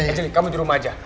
kecil kamu di rumah aja